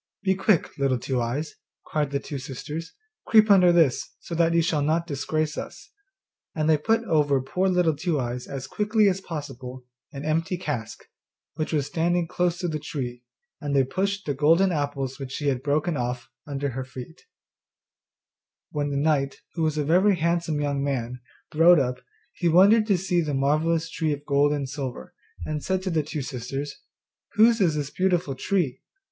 'Be quick, Little Two eyes,' cried the two sisters, 'creep under this, so that you shall not disgrace us,' and they put over poor Little Two eyes as quickly as possible an empty cask, which was standing close to the tree, and they pushed the golden apples which she had broken off under with her. When the knight, who was a very handsome young man, rode up, he wondered to see the marvellous tree of gold and silver, and said to the two sisters, 'Whose is this beautiful tree?